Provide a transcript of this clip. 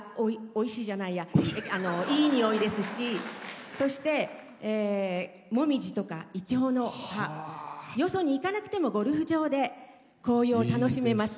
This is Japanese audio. おいしいじゃないいい匂いですし、そして紅葉とかイチョウのよそに行かなくてもゴルフ場で紅葉を楽しめます。